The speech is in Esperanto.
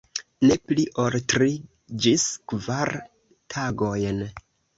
Ne pli ol tri ĝis kvar tagojn.